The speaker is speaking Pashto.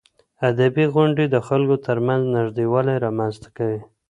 ادبي غونډې د خلکو ترمنځ نږدېوالی رامنځته کوي.